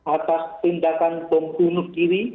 atas tindakan pembunuh diri